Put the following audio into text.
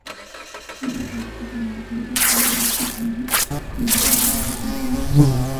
Son unas galletas de mantequilla, tradicionalmente hechas a mano, con glaseado de huevo encima.